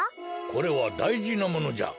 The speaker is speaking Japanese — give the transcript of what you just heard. これはだいじなものじゃ。